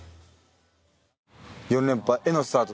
４連覇へのスタート